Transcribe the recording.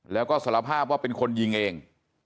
แล้วก็สารภาพว่าเป็นคนยิงเอง